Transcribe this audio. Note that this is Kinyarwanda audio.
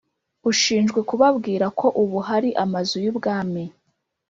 ushinjwe kubabwira ko ubu hari Amazu y Ubwami